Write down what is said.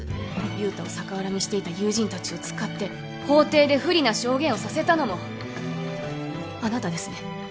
雄太を逆恨みしていた友人達を使って法廷で不利な証言をさせたのもあなたですね？